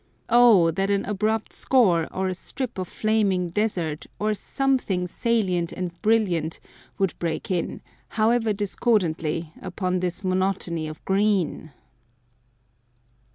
Oh that an abrupt scaur, or a strip of flaming desert, or something salient and brilliant, would break in, however discordantly, upon this monotony of green!